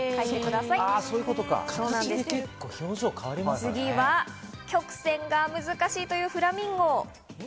次は曲線が難しいというフラミンゴ。